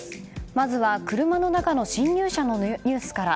まずは車の中の侵入者のニュースから。